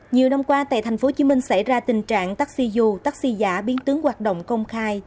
nhiều năm qua tại tp hcm xảy ra tình trạng taxi dù taxi giả biến tướng hoạt động công khai